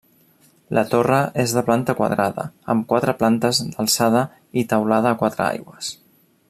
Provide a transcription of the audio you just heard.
La torre és de planta quadrada, amb quatre plantes d'alçada i teulada a quatre aigües.